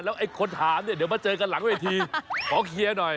ไอ้คนถามเนี่ยเดี๋ยวมาเจอกันหลังเวทีขอเคลียร์หน่อย